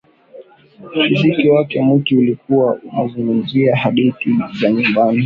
Muziki wake mwingi ulikuwa unazungumzia hadithi za nyumbani